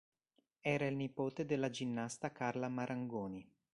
Era il nipote della ginnasta Carla Marangoni.